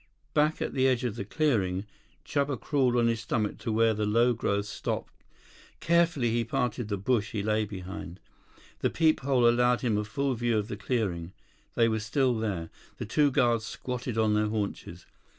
Back at the edge of the clearing, Chuba crawled on his stomach to where the low growth stopped. Carefully he parted the bush he lay behind. The peephole allowed him a full view of the clearing. They were still there. The two guards squatted on their haunches.